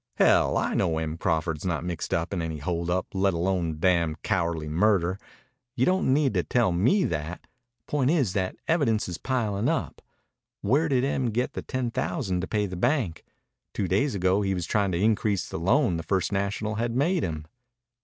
"Hell, I know Em Crawford's not mixed up in any hold up, let alone a damned cowardly murder. You don't need to tell me that. Point is that evidence is pilin' up. Where did Em get the ten thousand to pay the bank? Two days ago he was tryin' to increase the loan the First National had made him."